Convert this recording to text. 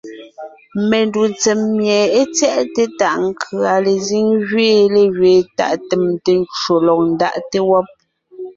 Mendù tsèm mie é tyɛʼte tàʼ nkʉ̀a lezíŋ gẅiin légẅiin tàʼ tèmte ncwò lɔg ńdaa wɔ́b.